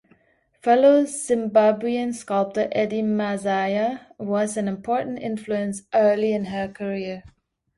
Fellow Zimbabwean sculptor Eddie Masaya was an important influence early in her career.